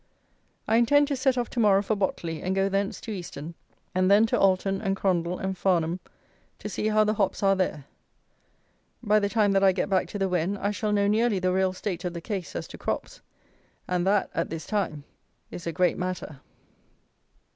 I intend to set off to morrow for Botley, and go thence to Easton; and then to Alton and Crondall and Farnham, to see how the hops are there. By the time that I get back to the Wen I shall know nearly the real state of the case as to crops; and that, at this time, is a great matter.